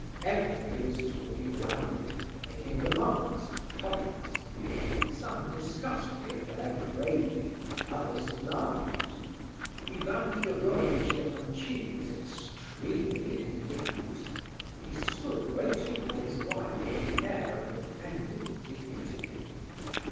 Everybody was talking loudly, making remarks and comments; some discussed the affair gravely, others laughed. Ivan Fedorovitch Epanchin was extremely indignant. He stood waiting for his wife with an air of offended dignity.